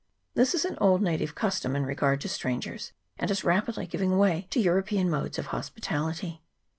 This is an old native custom in regard to strangers, and is rapidly giving way to European modes of hospitality.